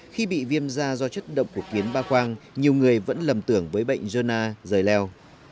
khi bị viêm da do chất động của kiến ba khoang nhiều người vẫn lầm tưởng với bệnh jonah rời leo